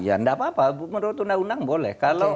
ya tidak apa apa menurut undang undang boleh